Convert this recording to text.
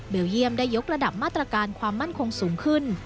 เยี่ยมได้ยกระดับมาตรการความมั่นคงสูงขึ้น